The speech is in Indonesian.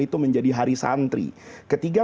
itu menjadi hari santri ketiga